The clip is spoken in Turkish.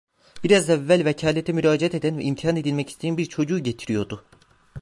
Biraz evvel vekalete müracaat eden ve imtihan edilmek isteyen bir çocuğu getiriyordu.